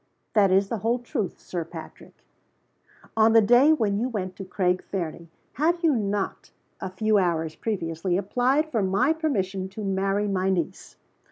"That is the whole truth, Sir Patrick." "On the day when you went to Craig Fernie, had you not, a few hours previously, applied for my permission to marry my niece?"